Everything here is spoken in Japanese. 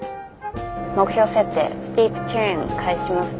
目標設定スティープターン開始します。